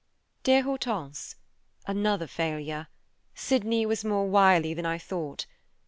"Dear Hortense: "Another failure. Sydney was more wily than I thought.